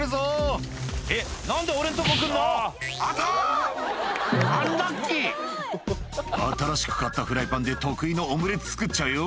アンラッキー「新しく買ったフライパンで得意のオムレツ作っちゃうよ」